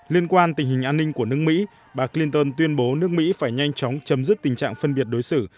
liên quan tình hình an ninh của nước mỹ bà clinton tuyên bố nước mỹ phải nhanh chóng chấm dứt tình trạng phân biệt đối xử